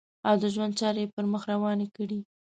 او د ژوند چارې یې پر مخ روانې کړې.